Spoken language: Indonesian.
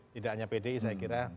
tidak hanya pdi saya kira